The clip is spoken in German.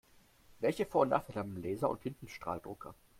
Welche Vor- und Nachteile haben Laser- und Tintenstrahldrucker?